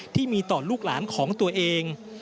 ที่มีต่อลูกหลานของตัวเอง